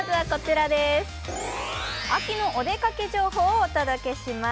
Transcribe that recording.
秋のおでかけ情報をお届けします。